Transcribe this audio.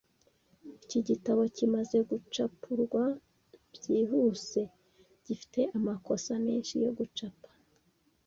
Iki gitabo, kimaze gucapurwa byihuse, gifite amakosa menshi yo gucapa.